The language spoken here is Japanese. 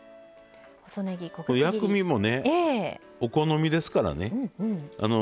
薬味もお好みですからね。